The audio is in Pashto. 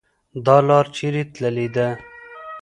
.دا لار چیري تللې ده؟